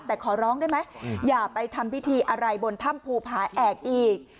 แต่ขอร้องได้ไหมอย่าไปทำพิธีอะไรบนถ้ำภูผาแอกอีก